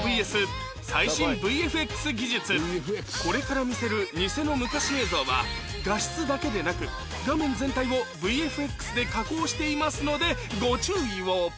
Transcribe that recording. これから見せるニセの昔映像は画質だけでなく画面全体を ＶＦＸ で加工していますのでご注意を！